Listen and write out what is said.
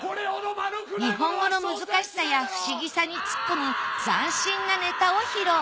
日本語の難しさや不思議さにつっこむ斬新なネタを披露！